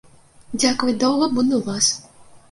Дзякаваць доўга буду вас.